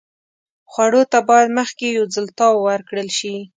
خوړو ته باید مخکې یو ځل تاو ورکړل شي.